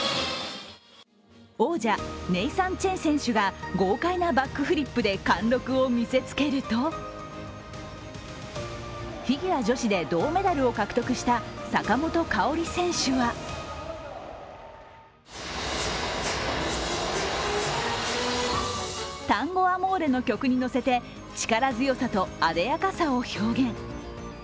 王者ネイサン・チェン選手が豪快なバックフリップで貫禄を見せつけると、フィギュア女子で銅メダルを獲得した坂本花織選手は「タンゴ・アモーレ」の曲に乗せて、力強さとあでやかさを表現。